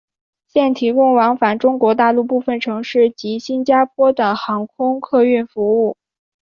现提供往返中国大陆部分城市及新加坡的航空客运服务。